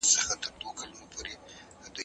هر څوک پر خپله ټيکۍ اور اړوي.